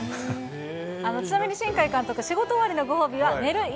ちなみに新海監督、仕事終わりのご褒美は寝る